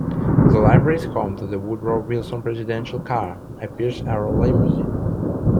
The library is home to the Woodrow Wilson presidential car, a Pierce Arrow limousine.